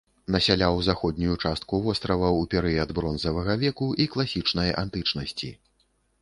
Насяляў заходнюю частку вострава ў перыяд бронзавага веку і класічнай антычнасці.